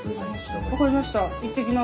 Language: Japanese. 分かりました。